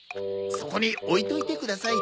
そこに置いといてください。